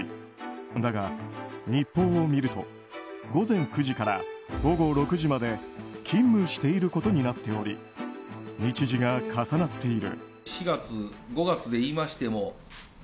だが、日報を見ると午前９時から午後６時まで勤務していることになっており日時が重なっている。